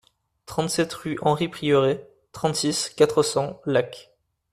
trente-sept rue Henri Prieuré, trente-six, quatre cents, Lacs